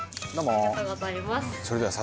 ありがとうございます。